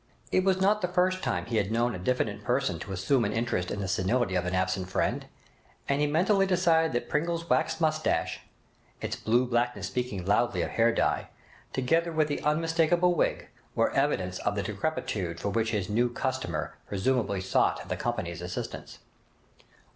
It was not the first time he had known a diffident person to assume an interest in the senility of an absent friend, and he mentally decided that Pringle's waxed moustache, its blue blackness speaking loudly of hair dye, together with the unmistakable wig, were evidence of the decrepitude for which his new customer presumably sought the Company's assistance.